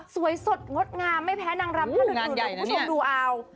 สวยสดงดงามไม่แพ้นางรำท่านอื่นนะคุณผู้ชมดูเอา